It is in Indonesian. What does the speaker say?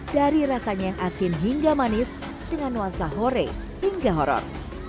dari rasanya yang asin hingga manis dengan nuansa hore hingga horror